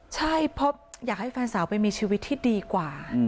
ใช่เพราะอยากให้แฟนสาวไปมีชีวิตที่ดีกว่า